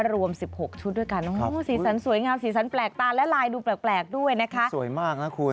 รวม๑๖ชุดด้วยกันสีสันสวยงามสีสันแปลกตาและลายดูแปลกด้วยนะคะสวยมากนะคุณ